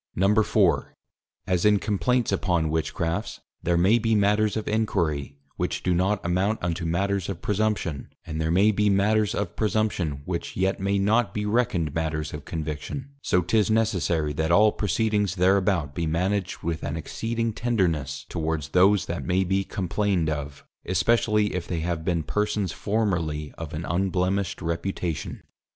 _ IV. _As in Complaints upon Witchcrafts, there may be Matters of Enquiry, which do not amount unto Matters of Presumption, and there may be Matters of Presumption which yet may not be reckoned Matters of +Conviction+; so 'tis necessary that all Proceedings thereabout be managed with an exceeding tenderness towards those that may be complained of; especially if they have been Persons formerly of an unblemished Reputation.